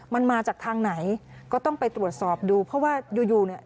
มันมาจากทางไหนก็ต้องไปตรวจสอบดูเพราะว่าอยู่อยู่เนี่ย